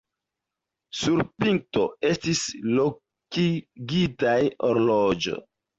Sur pinto estis lokigitaj horloĝo.